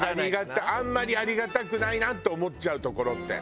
あんまりありがたくないなと思っちゃうところって。